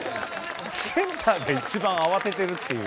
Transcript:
センターが一番慌ててるっていう。